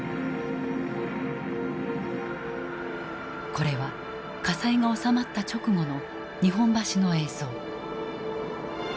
これは火災が収まった直後の日本橋の映像。